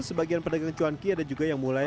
sebagian pedagang cuanki ada juga yang mulai